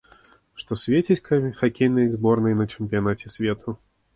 Што свеціць хакейнай зборнай на чэмпіянаце свету?